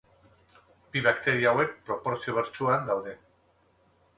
Bi bakteria hauek proportzio bertsuan daude.